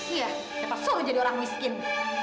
iya dia pasti jadi orang miskin